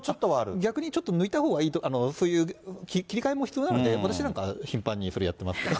逆にちょっと抜いたほうがいい、私なんか、それが必要なので、私なんかは頻繁にそれやってます。